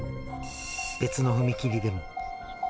別の踏切でも。